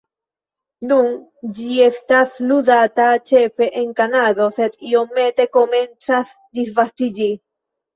Nun ĝi estas ludata ĉefe en Kanado, sed iomete komencas disvastiĝi.